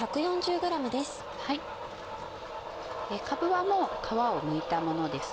かぶはもう皮をむいたものです。